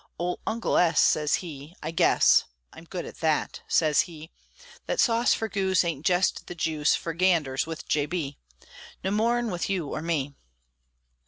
Ole Uncle S. sez he, "I guess (I'm good at thet)," sez he, "Thet sauce for goose ain't jest the juice For ganders with J. B., No more 'n with you or me!"